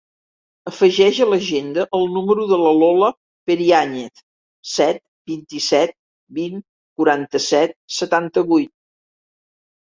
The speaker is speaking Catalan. Afegeix a l'agenda el número de la Lola Periañez: set, vint-i-set, vint, quaranta-set, setanta-vuit.